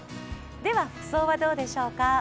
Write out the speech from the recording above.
では、服装はどうでしょうか。